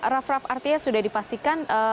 rafraf artieh sudah dipastikan